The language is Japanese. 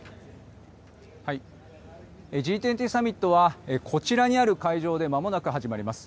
Ｇ２０サミットはこちらにある会場でまもなく始まります。